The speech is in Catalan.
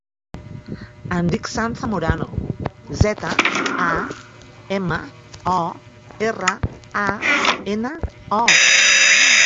Em dic Sam Zamorano: zeta, a, ema, o, erra, a, ena, o.